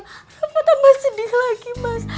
mas aku tambah sedih lagi mas